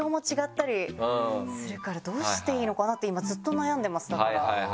どうしていいのかなって今ずっと悩んでますだから。